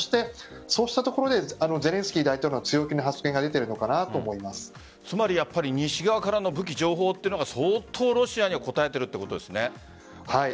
そうしたところでゼレンスキー大統領の強気な発言がつまり西側から武器・情報というのが相当ロシアにこたえているということですね。